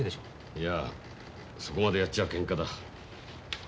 いやそこまでやっちゃけんかだ。